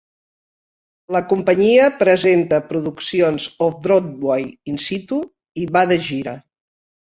La companyia presenta produccions Off-Broadway in situ i va de gira.